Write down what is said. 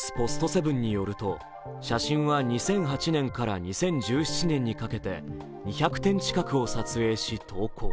セブンによると、写真は２００８年から２０１７年にかけて２００点近くを撮影し、投稿。